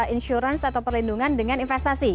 insurance atau perlindungan dengan investasi